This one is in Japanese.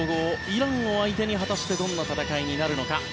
イランを相手に果たしてどんな戦いになるのか。